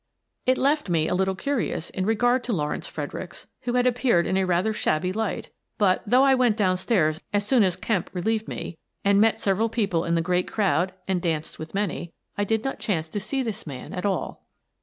It left me a little curious in regard to Lawrence Fredericks, who had appeared in a rather shabby light, but, though I went down stairs as soon as Kemp relieved me, and met several people in the great crowd and danced with many, I did not chance to see this man at all.